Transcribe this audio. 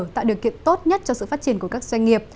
tạo điều kiện tốt nhất cho sự phát triển của các doanh nghiệp